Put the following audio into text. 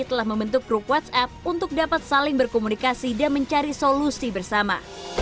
telah membentuk grup whatsapp untuk dapat saling berkomunikasi dan mencari solusi bersama